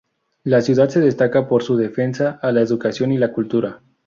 La ciudad se destaca por su defensa a la educación y la cultura.